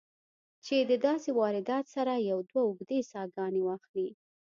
چې د داسې واردات سره يو دوه اوږدې ساهګانې واخلې